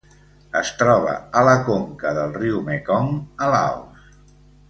Es troba a la conca del riu Mekong a Laos.